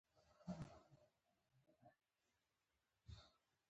د باور درلودل د بری راز دی.